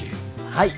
はい！